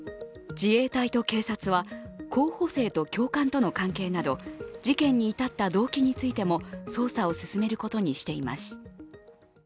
自衛隊と警察は候補生と教官との関係など事件に至った動機についても捜査を進めることにしています。